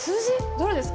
どれですか？